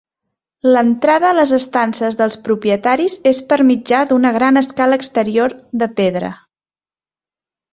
L'entrada a les estances dels propietaris és per mitjà d'una gran escala exterior, de pedra.